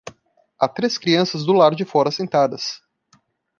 Há três crianças do lado de fora sentadas.